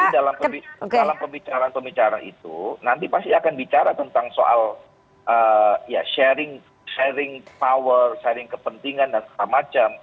tapi dalam pembicaraan pembicaraan itu nanti pasti akan bicara tentang soal sharing power sharing kepentingan dan segala macam